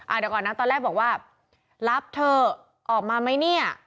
เดี๋ยวก่อนนะตอนแรกบอกว่ารับเถอะออกมาไหมเนี่ย